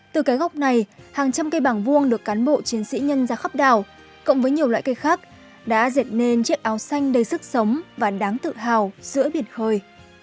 từ cái gốc này hàng trăm cây bảng vuông được cán bộ chiến sĩ nhân ra khắp đảo cộng với nhiều loại cây khác đã dệt nên chiếc áo xanh đầy sức sống và đáng tự hào giữa biển khơi